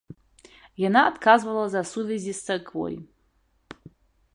Яна адказвала за сувязі з царквой.